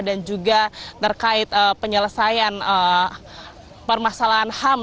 dan juga terkait penyelesaian permasalahan ham